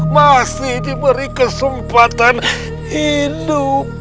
masih diberi kesempatan hidup